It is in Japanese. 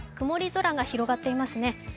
曇り空が広がっていますね。